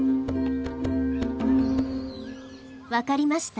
分かりました？